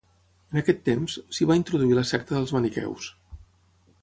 En aquest temps, s'hi va introduir la secta dels maniqueus.